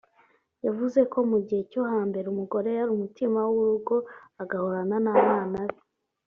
yavuze ko mu gihe cyo ha mbere umugore yari umutima w’urugo agahorana n’abana be